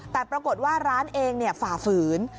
แต่ปรากฏว่าร้านเองฝ่าฝืน